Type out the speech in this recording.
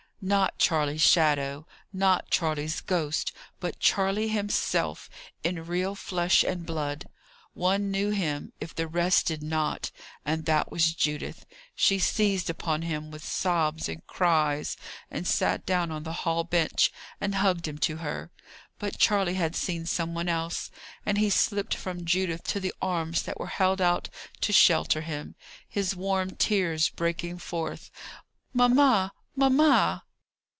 Not Charley's shadow not Charley's ghost but Charley himself, in real flesh and blood. One knew him, if the rest did not; and that was Judith. She seized upon him with sobs and cries, and sat down on the hall bench and hugged him to her. But Charley had seen some one else, and he slipped from Judith to the arms that were held out to shelter him, his warm tears breaking forth. "Mamma! mamma!"